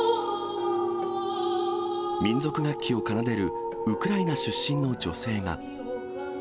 民族楽器を奏でるウクライナ出身の女性が。